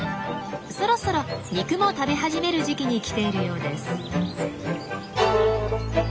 そろそろ肉も食べ始める時期に来ているようです。